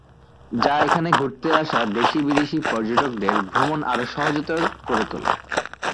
যা এখানে ঘুরতে আসা দেশি-বিদেশী পর্যটকদের ভ্রমণ আরো সহজতর করে তোলে।